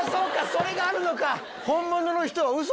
それがあるのか！